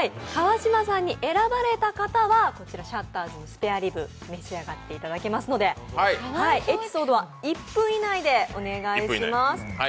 川島さんに選ばれた方は、ＳＨＵＴＴＥＲＳのスペアリブをお召し上がりいただけますのでエピソードは１分以内でお願いします。